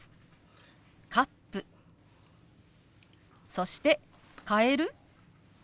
そして「変える？」。